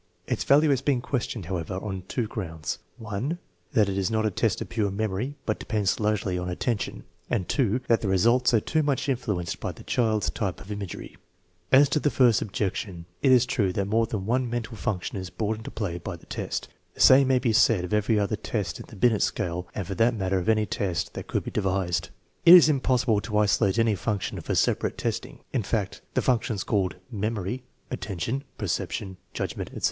Its value has been questioned, however, on two grounds: (1) That it is not a test of pure memory, but depends largely on attention; and (2) that the results are too much influenced by the child's type of imagery. As to the first objection, it is true that more than one mental function is brought into play by the test. The same may be said of every other test in the Binet scale and for that matter of any test that could be devised. It is impossible to isolate any function for separate testing. In fact, the functions called memory, attention, perception, judgment, etc.